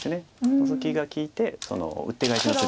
ノゾキが利いてウッテガエシの筋が。